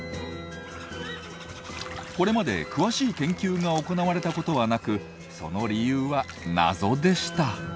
これまで詳しい研究が行われたことはなくその理由は謎でした。